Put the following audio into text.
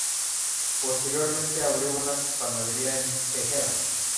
Posteriormente, abrió una panadería en Teherán.